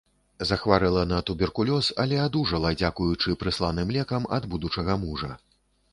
Захварэла на туберкулёз, але адужала дзякуючы прысланым лекам ад будучага мужа.